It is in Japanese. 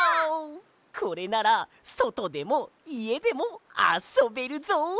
これならそとでもいえでもあそべるぞ！